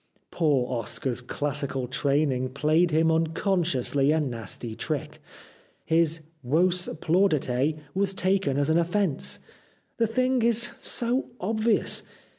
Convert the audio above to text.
Poor Oscar's classical training played him unconsciously a nasty trick. His " Vos Plaudite " was taken as an offence. The thing is so obvious.